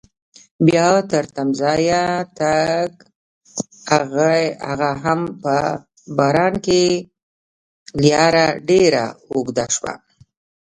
بیا تر تمځایه تګ هغه هم په باران کې لاره ډېره اوږده شوه.